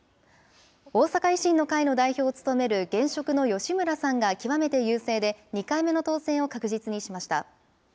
大阪維新の会の代表を務める現職の吉村さんが極めて優勢で、２回目の当選を確実にしました。